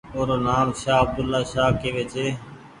او رو نآم شاه عبدولآشاه ڪيوي ڇي۔